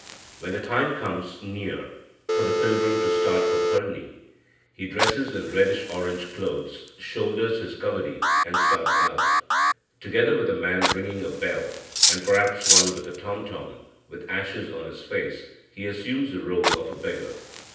] When the time comes near for the pilgrim to start for Palni, he dresses in reddish orange clothes, shoulders his kavadi, and starts out. Together with a man ringing a bell, and perhaps one with a tom tom, with ashes on his face, he assumes the rôle of a beggar.